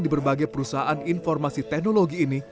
di berbagai perusahaan informasi teknologi ini